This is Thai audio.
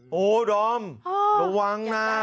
โหดอมระวังนะ